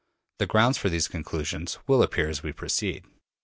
The grounds for these conclusions will appear as we proceed.